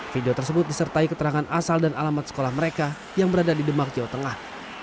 video tersebut disertai keterangan asal dan alamat sekolah mereka yang berada di demak jawa tengah